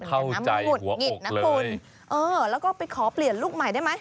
เผ่าใจหัวอกเลยนะคุณเออแล้วก็ไปขอเปลี่ยนลูกใหม่ได้ไหม